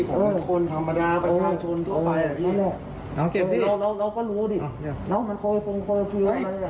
ผมเป็นคนธรรมดาประชาชนทั่วไปอ่ะพี่น้องเก็บพี่เราก็รู้ดิ